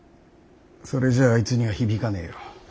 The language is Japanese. それじゃああいつには響かねえよ。